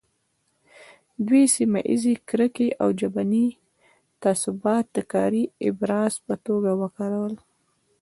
دوی سیمه ییزې کرکې او ژبني تعصبات د کاري ابزار په توګه وکارول.